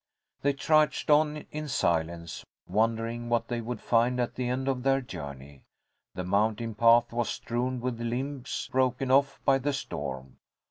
They trudged on in silence, wondering what they would find at the end of their journey. The mountain path was strewn with limbs broken off by the storm.